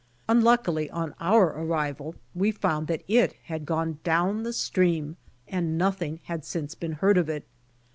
Unluckily on our arrival we found that it had gone down the stream] and nothing had since been heard of it.